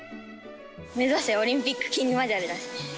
目指せ、オリンピック金メダルです。